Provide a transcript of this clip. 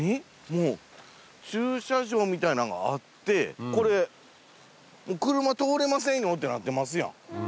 もう駐車場みたいなんがあってこれ車通れませんよってなってますやん。